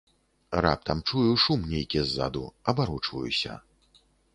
Раптам чую, шум нейкі ззаду, абарочваюся.